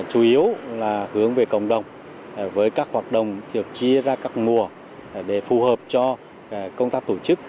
đồng chú yếu là hướng về cộng đồng với các hoạt động được chia ra các mùa để phù hợp cho công tác tổ chức